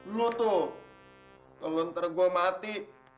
lo tuh kalau nanti gue mati